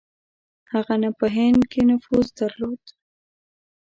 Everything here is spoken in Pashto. هغه نه په هند کې نفوذ درلود.